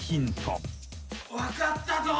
分かったぞ！